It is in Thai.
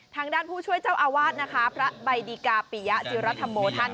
ทางด้านผู้ช่วยเจ้าอาวาสนะคะพระใบดิกาปิยะจิรธรรมโมท่าน